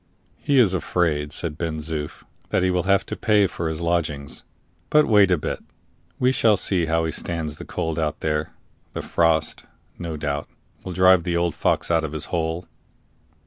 "He is afraid," said Ben Zoof, "that he will have to pay for his lodgings. But wait a bit; we shall see how he stands the cold out there; the frost, no doubt, will drive the old fox out of his hole."